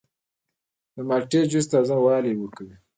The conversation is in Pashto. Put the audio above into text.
د مالټې جوس تازه والی ورکوي.